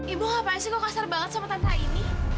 ibu ngapain sih kok kasar banget sama tante ini